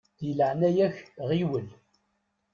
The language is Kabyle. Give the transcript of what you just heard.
Di leɛya-k ɣiwel!